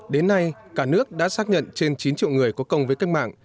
đến nay cả nước đã xác nhận trên chín triệu người có công với cách mạng